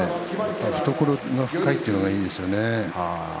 懐が深いというのがいいですよね。